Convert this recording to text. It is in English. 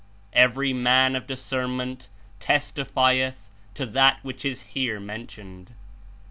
Every man of discernment testlfieth to that which Is (here) mentioned."